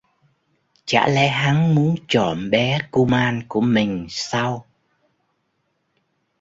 Chả lẽ hắn muốn trộm bé kuman của mình sao